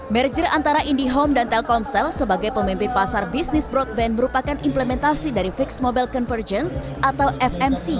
merger antara indihome dan telkomsel sebagai pemimpin pasar bisnis broadband merupakan implementasi dari fixed mobile convergence atau fmc